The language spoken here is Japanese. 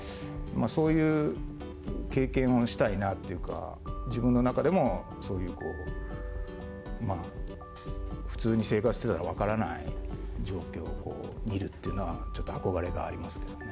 そういう経験をしたいなっていうか自分の中でもそういうこう普通に生活してたらわからない状況を見るっていうのはちょっと憧れがありますけどね。